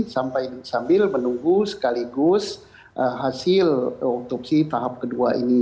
sambil menunggu sekaligus hasil otopsi tahap kedua ini